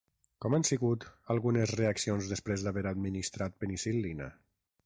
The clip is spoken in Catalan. Com han sigut algunes reaccions després d'haver administrat penicil·lina?